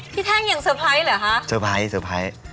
พี่แทงยังเซอร์ไพรส์หรือคะ